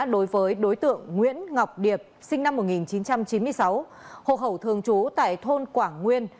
đối với đối tượng nguyễn ngọc điệp sinh năm một nghìn chín trăm chín mươi sáu hộ khẩu thường trú tại thôn quảng nguyên